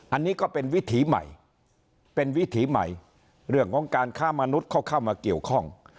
อันนี้ก็เป็นวิถีใหม่เป็นวิถีใหม่เรื่องของการค้ามนุษย์เขาเข้ามาเกี่ยวข้อง